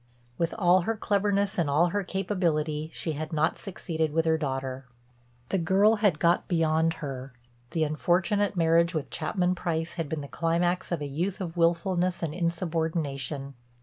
With all her cleverness and all her capability she had not succeeded with her daughter. The girl had got beyond her; the unfortunate marriage with Chapman Price had been the climax of a youth of willfulness and insubordination.